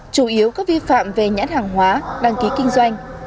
chủ yếu các vi phạm về nhãn hàng hóa đăng ký kinh doanh